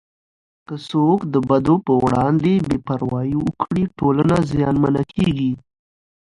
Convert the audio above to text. که څوک د بدو په وړاندې بې پروايي وکړي، ټولنه زیانمنه کېږي.